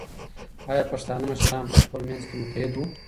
ایا پښتانه مشران په خپل منځ کې متحد وو؟